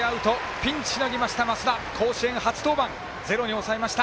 ピンチをしのぎました、増田甲子園、初登板ゼロに抑えました。